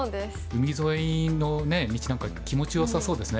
海沿いの道なんか気持ちよさそうですね。